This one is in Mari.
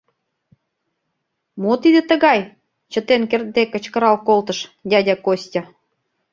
«Мо тиде тыгай?» — чытен кертде кычкырал колтыш! дядя Костя.